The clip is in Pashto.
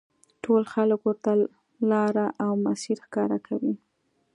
ټول خلک ورته لاره او مسیر ښکاره کوي.